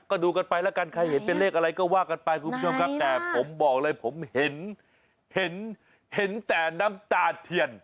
ก็ดูกันไปแล้วกันใครเห็นเป็นเลขอะไรก็ว่ากันไปคุณผู้ชมครับแต่ผมบอกเลยผมเห็นเห็นแต่น้ำตาเทียน